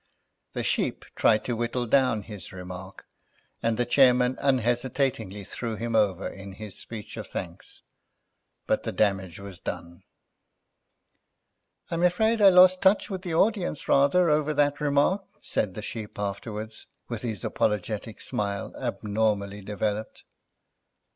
The Sheep tried to whittle down his remark, and the chairman unhesitatingly threw him over in his speech of thanks, but the damage was done. "I'm afraid I lost touch with the audience rather over that remark," said the Sheep afterwards, with his apologetic smile abnormally developed.